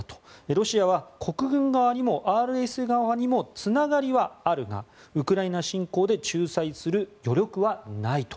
ロシアは国軍側にも、ＲＳＦ側にもつながりはあるがウクライナ侵攻で仲裁する余力はないと。